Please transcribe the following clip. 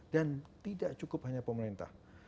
dan tidak cukup hanya pemerintah